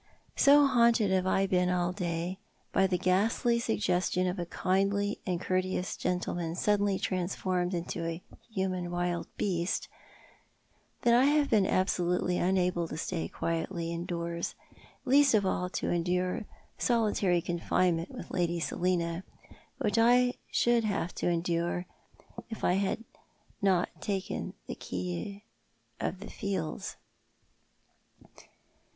So haunted have I been all day by that ghastly suggestion of a kindly and courteous gentleman suddenly transformed into a human wild beast, tliat I have been absolutely unable to stay quietly indoors, least of all to endure solitary confinement with liady Selina, which I should have had to endure if I had not taken the key of the fields.